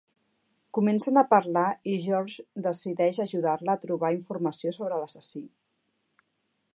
Comencen a parlar i George decideix ajudar-la a trobar informació sobre l'assassí.